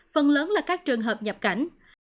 phần lớn là các trường hợp nhập cảnh